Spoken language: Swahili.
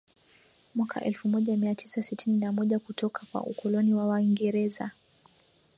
mwaka elfu moja mia tisa sitini na moja kutoka kwa ukoloni wa Waingereza